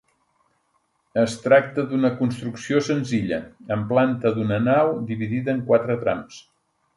Es tracta d'una construcció senzilla, amb planta d'una nau dividida en quatre trams.